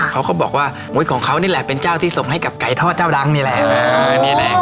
เขาก็บอกว่าของเขานี่แหละเป็นเจ้าที่ส่งให้กับไก่ทอดเจ้าดังนี่แหละ